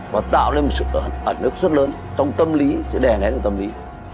và tạo nên một sự ẩn ức rất lớn trong tâm lý sẽ đè nét trong tâm lý